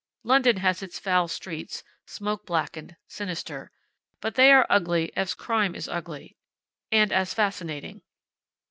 London has its foul streets, smoke blackened, sinister. But they are ugly as crime is ugly and as fascinating.